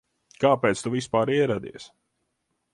Kāpēc tu vispār ieradies?